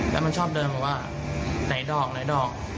แล้วมันชอบเดินบอกว่าไหนดอกไหนดอก